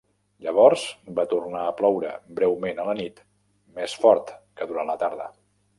Llavors, va tornar a ploure breument a la nit, més fort que durant la tarda.